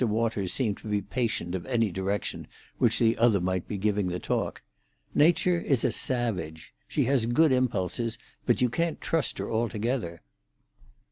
Waters seemed to be patient of any direction which the other might be giving the talk. "Nature is a savage. She has good impulses, but you can't trust her altogether."